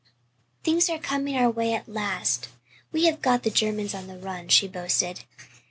"Things are coming our way at last. We have got the Germans on the run," she boasted.